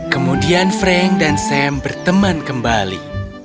kemudian frank dan sam berteman kembali